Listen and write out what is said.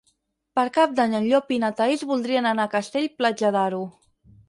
Per Cap d'Any en Llop i na Thaís voldrien anar a Castell-Platja d'Aro.